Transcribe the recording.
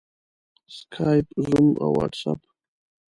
سکایپ، زوم او واټساپ